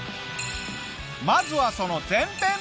まずはその前編。